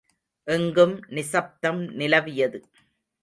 எங்கும் நிசப்தம் நிலவியது.